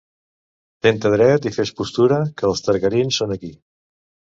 Ten-te dret i fes postura, que els targarins són aquí.